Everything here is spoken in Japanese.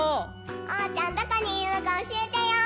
・おうちゃんどこにいるのかおしえてよ。